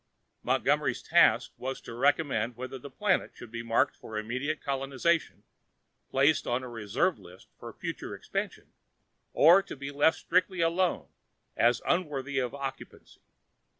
Montgomery's task was to recommend whether the planet should be marked for immediate colonization, placed on a reserve list for future expansion, or be left strictly alone as unworthy of occupancy.